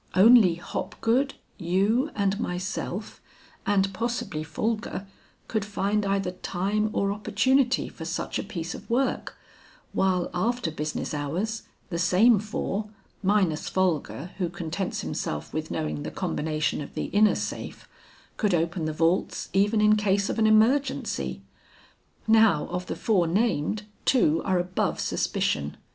Only Hopgood, you and myself, and possibly Folger, could find either time or opportunity for such a piece of work; while after business hours, the same four, minus Folger who contents himself with knowing the combination of the inner safe, could open the vaults even in case of an emergency. Now of the four named, two are above suspicion.